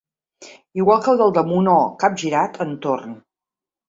Igual que el del damunt o, capgirat, entorn.